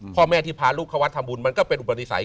พ่อแม่ที่พาลูกเข้าวัดทำบุญมันก็เป็นอุปติศัย